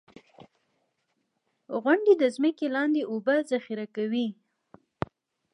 • غونډۍ د ځمکې لاندې اوبه ذخېره کوي.